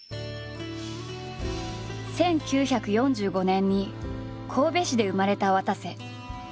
１９４５年に神戸市で生まれたわたせ。